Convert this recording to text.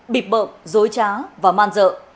bịp bợm dối trá và man dợ